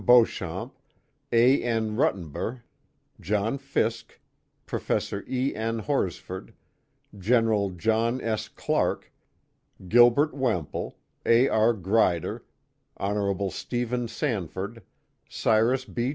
Beauchamp, A. N. Ruttenber, John Fiske, Prof. E. N. Horsford, Gen. John S. Clark, Gil bert Wemple, A. R. Grider, Hon. Stephen Sanford, Cyrus B.